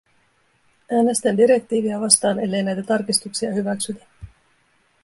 Äänestän direktiiviä vastaan, ellei näitä tarkistuksia hyväksytä.